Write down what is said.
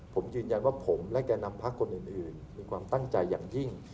ผมยืนยันว่าผมและแก่นำพักคนอื่นมีความตั้งใจอย่างยิ่ง